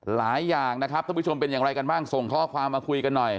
หลายอย่างนะครับท่านผู้ชมเป็นอย่างไรกันบ้างส่งข้อความมาคุยกันหน่อย